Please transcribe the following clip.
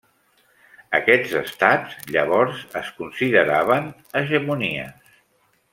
Aquests estats llavors es consideraven hegemonies.